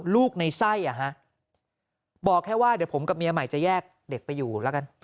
ลูกในไส้บอกแค่ว่าเดี๋ยวผมกับเมียใหม่จะแยกเด็กไปอยู่แล้วกัน